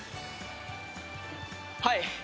はい！